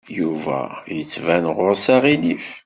Yuba yettban ɣur-s aɣilif.